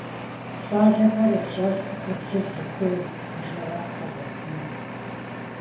ЩӀалэхэр ежьащ цӀыхубзыр зыхуейм и жэуап къагъуэтыну.